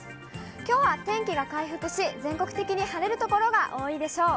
きょうは天気が回復し、全国的に晴れる所が多いでしょう。